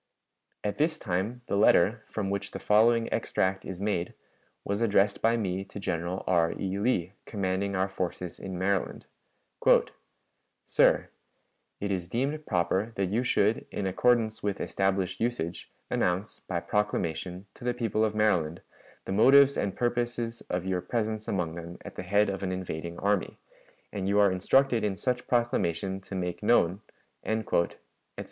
At this time the letter, from which the following extract is made, was addressed by me to General R. E. Lee, commanding our forces in Maryland: "SIR: It is deemed proper that you should, in accordance with established usage, announce, by proclamation, to the people of Maryland, the motives and purposes of your presence among them at the head of an invading army; and you are instructed in such proclamation to make known," etc.